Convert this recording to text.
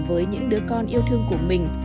với những đứa con yêu thương của mình